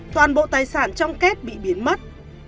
toàn bộ tài sản trong kết bị biến mất